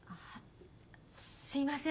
すいません。